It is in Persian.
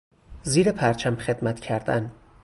زیر پرچم خدمت کردن